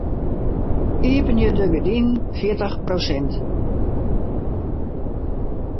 Iepenje de gerdinen fjirtich prosint.